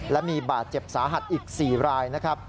และมีบาดเจ็บสาหัสอีก๔รายนะครับ